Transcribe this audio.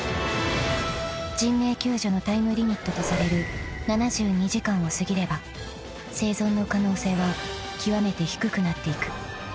［人命救助のタイムリミットとされる７２時間を過ぎれば生存の可能性は極めて低くなっていく］